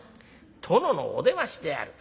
殿のお出ましである。